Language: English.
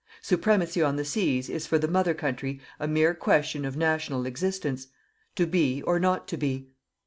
Supremacy on the seas is for the Mother Country a mere question of national existence, to be or not to be.